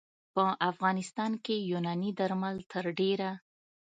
په افغانستان کې یوناني درمل تر ډېره